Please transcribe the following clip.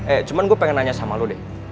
eh cuman gue pengen nanya sama lo deh